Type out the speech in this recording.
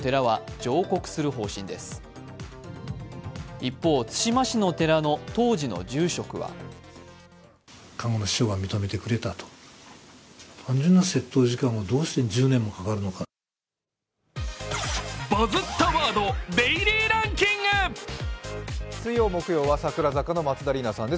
一方、対馬市の寺の当時の住職は水曜、木曜は櫻坂の松田里奈さんです。